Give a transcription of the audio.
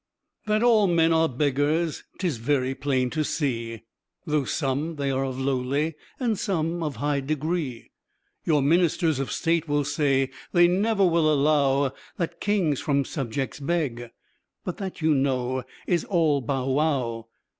_ _That all men are beggars, 'tis very plain to see, Though some they are of lowly, and some of high degree: Your ministers of State will say they never will allow That kings from subjects beg; but that you know is all bow wow.